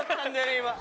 今。